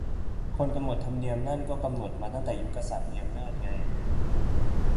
คนกำหนดธรรมเนียมนั่นก็กำหนดมาตั้งแต่ยุคกษัตริย์มีอำนาจไง